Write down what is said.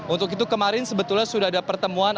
untuk itu kemarin sebetulnya sudah ada pertemuan